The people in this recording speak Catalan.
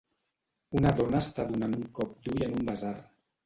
Una dona està donant un cop d'ull en un basar